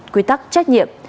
quy tắc trách nhiệm